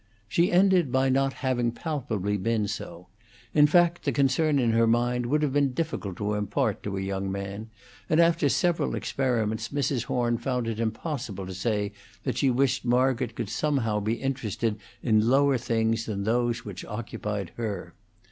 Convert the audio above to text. She ended by not having palpably been so. In fact, the concern in her mind would have been difficult to impart to a young man, and after several experiments Mrs. Horn found it impossible to say that she wished Margaret could somehow be interested in lower things than those which occupied her.